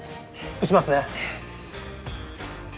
打ちますね。